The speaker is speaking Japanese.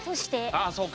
ああそうか。